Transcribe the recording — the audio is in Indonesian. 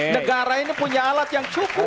negara ini punya alat yang cukup